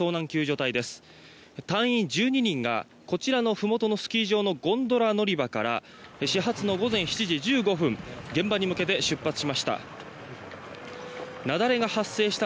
隊員１２人がこちらのふもとのスキー場のゴンドラ乗り場から始発の午前７時１５分現場に向けて出発しました。